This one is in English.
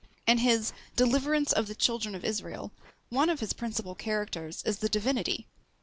In his Deliverance of the Children of Israel, one of his principal characters is the Divinity!